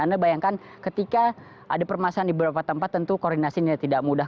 anda bayangkan ketika ada permasalahan di beberapa tempat tentu koordinasinya tidak mudah